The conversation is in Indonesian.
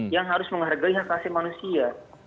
yang harus menghargai hak asli manusia